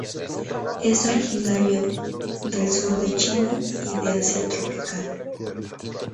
Es originario del sur de China y de Asia tropical.